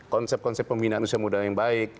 konsep konsep pembinaan usia muda yang baik